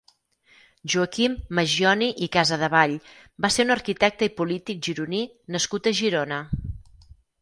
Joaquim Maggioni i Casadevall va ser un arquitecte i polític gironí nascut a Girona.